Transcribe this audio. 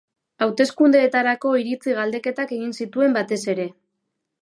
Hauteskundeetarako iritzi-galdeketak egin zituen batez ere.